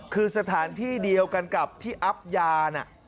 คือสถานที่เดียวกันกับที่อับยาน่ะ